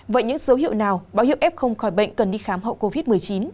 vậy những dấu hiệu nào bảo hiệu ép không khỏi bệnh cần đi khám hậu covid một mươi chín